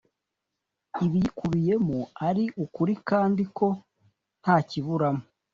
Ibiyikubiyemo ari ukuri kandi ko nta kiburamo